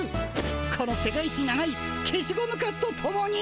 この世界一長いけしゴムカスとともに！